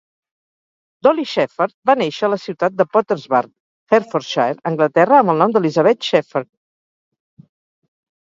Dolly Shepherd va néixer a la ciutat de Potters Bar, Hertfordshipre, Anglaterra, amb el nom d'Elizabeth Shepherd.